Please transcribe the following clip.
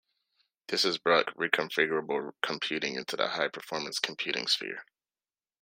This has brought reconfigurable computing into the high-performance computing sphere.